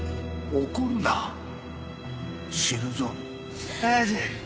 怒るな死ぬぞ親父！